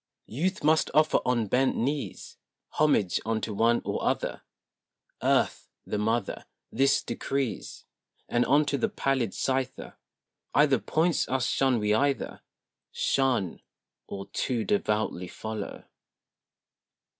II Youth must offer on bent knees Homage unto one or other; Earth, the mother, This decrees; And unto the pallid Scyther Either points us shun we either Shun or too devoutly follow.